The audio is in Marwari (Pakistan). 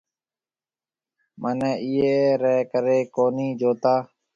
مھنيَ اِيئي رَي ڪري ڪونھيَََ جوتا۔